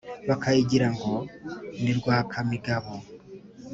bakayigira ngo ni rwakamigabo